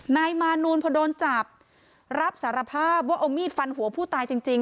นายมานูลพอโดนจับรับสารภาพว่าเอามีดฟันหัวผู้ตายจริง